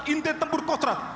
inti tembur kosrat